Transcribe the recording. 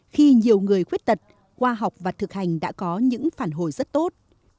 khi nhiều người khuyết tật khoa học và thực hành đã có những phản hồi rất tốt